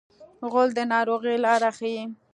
غول د ناروغۍ لاره ښيي.